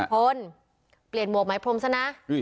พลเปลี่ยนหมวกไหมพรมซะนะ